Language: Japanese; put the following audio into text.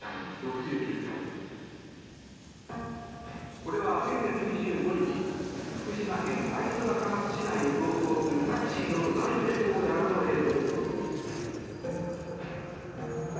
これは先月２５日福島県会津若松市内を走行するタクシーのドライブレコーダーの映像。